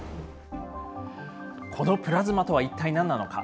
このプラズマとは一体、なんなのか。